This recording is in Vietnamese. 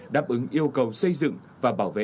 đáp ứng yêu cầu xây dựng và bảo vệ tổ quốc